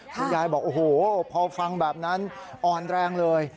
คุณยายบอกโอ้โหพอฟังแบบนั้นอ่อนแรงเลย